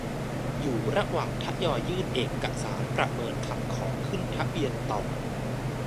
อยู่ระหว่างทยอยยื่นเอกสารประเมินคำขอขึ้นทะเบียนต่อ